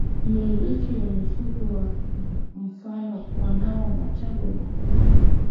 Wamiliki wa mifugo kwa mfano wanao mchango mkubwa